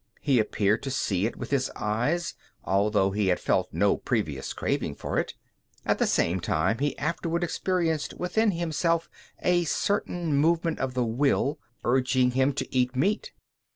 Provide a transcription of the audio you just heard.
He appeared to see it with his eyes, although he had felt no previous craving for it. At the same time he afterward experienced within himself a certain movement of the will, urging him to eat meat.